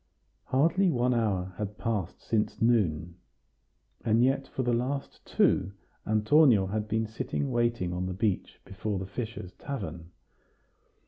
Hardly one hour had passed since noon, and yet for the last two Antonio had been sitting waiting on the bench before the fishers' tavern.